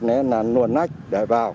nói là nguồn nách để vào